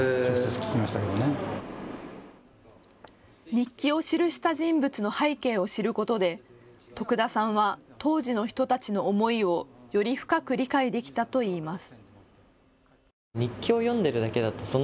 日記を記した人物の背景を知ることで徳田さんは当時の人たちの思いをより深く理解できたといいます。